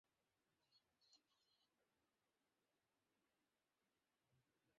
আইনজীবীরা আরও বলেছেন, মামলার তদন্তকারী কর্মকর্তা বারবার পরিবর্তন হওয়ায় অভিযোগপত্র দিতে দেরি হয়।